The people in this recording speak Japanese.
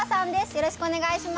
よろしくお願いします